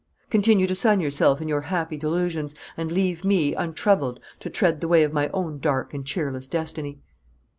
Continue to sun yourself in your happy delusions, and leave me untroubled to tread the way of my own dark and cheerless destiny."